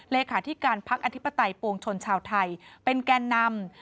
เลขาธิการพักอธิปไตยปวงชนชาวไทยเป็นแก่นำ